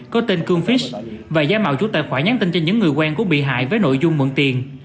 có tên cương fis và giá mạo chủ tài khoản nhắn tin cho những người quen của bị hại với nội dung mượn tiền